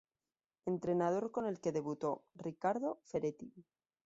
Entrenador con el que debutó: Ricardo Ferretti